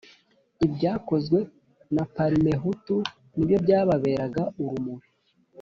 ibyakozwe na parmehutu nibyo byababeraga urumuri